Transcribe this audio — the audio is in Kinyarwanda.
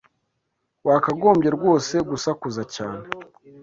Wakagombye rwose gusakuza cyane?